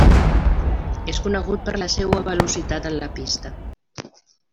És conegut per la seua velocitat en la pista.